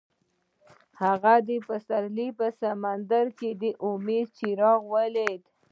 هغه د پسرلی په سمندر کې د امید څراغ ولید.